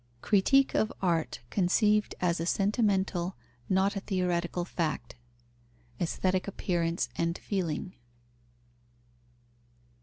_Critique of art conceived as a sentimental not a theoretical fact. Aesthetic appearance and feeling.